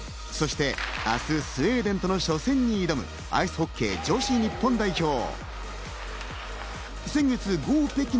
そして明日、スウェーデンとの初戦に挑むアイスホッケー女子日本代表。